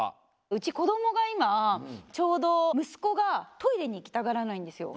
うちこどもがいまちょうどむすこがトイレにいきたがらないんですよ